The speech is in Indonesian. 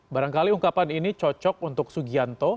barangkali ungkapan ini cocok untuk sugianto